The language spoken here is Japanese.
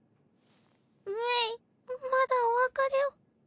芽衣まだお別れを。